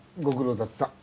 ご苦労だった。